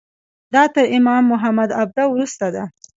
دا تر امام محمد عبده وروسته ده.